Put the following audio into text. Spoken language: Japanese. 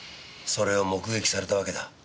それを目撃されたわけだ。